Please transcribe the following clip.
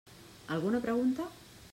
Alguna pregunta?